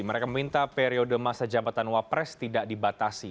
mereka meminta periode masa jabatan wapres tidak dibatasi